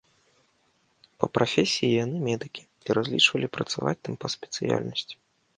Па прафесіі яны медыкі і разлічвалі працаваць там па спецыяльнасці.